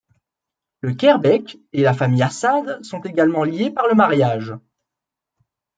Le Kheirbek et la famille Assad sont également liées par le mariage.